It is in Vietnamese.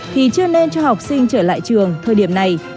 thì chưa nên cho học sinh trở lại trường thời điểm này